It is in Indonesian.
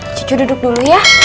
cucu duduk dulu ya